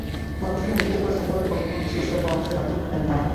Mymensingh medical college হাসপাতালের কর্তব্যরত চিকিৎসকের পরামর্শে রাতেই ঢাকায় নেওয়া হয়।